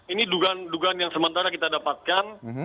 ini dugaan dugaan yang sementara kita dapatkan